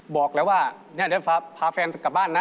บอกแล้วว่าเนี่ยเดี๋ยวพาแฟนกลับบ้านนะ